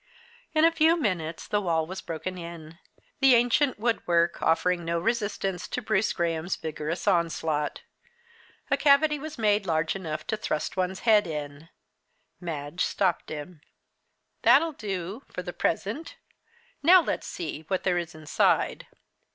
In a few minutes the wall was broken in, the ancient woodwork offering no resistance to Bruce Graham's vigorous onslaught. A cavity was made large enough to thrust one's head in. Madge stopped him. "That'll do for the present! Now let's see what there is inside!"